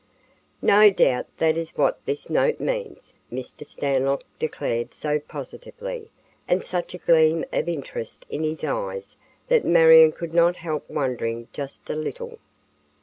"No doubt that is what this note means," Mr. Stanlock declared so positively and such a gleam of interest in his eyes that Marion could not help wondering just a little.